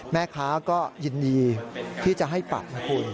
แม่ค้าก็ยินดีที่จะให้ปัดนะคุณ